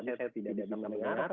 dan yang terakhir ini ada pak akir